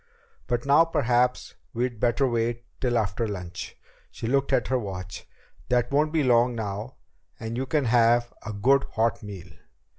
But now perhaps we'd better wait till after lunch." She looked at her watch. "That won't be long now, and you can have a good hot meal."